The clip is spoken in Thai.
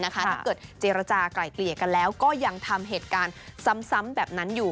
ถ้าเกิดเจรจากลายเกลี่ยกันแล้วก็ยังทำเหตุการณ์ซ้ำแบบนั้นอยู่